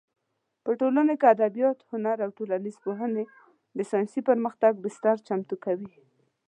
په ټولنو کې ادبیات، هنر او ټولنیزې پوهنې د ساینسي پرمختګ بستر چمتو کوي.